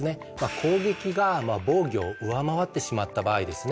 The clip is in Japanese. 攻撃が防御を上回ってしまった場合ですね